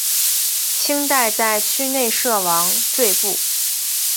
清代在区内设王赘步。